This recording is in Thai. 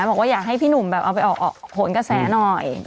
บอกว่าอยากให้พี่หนุ่มแบบเอาไปออกผลกระแสหน่อย